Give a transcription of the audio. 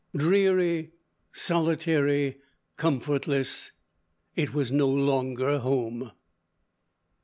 "Dreary, solitary, comfortless it was no longer home."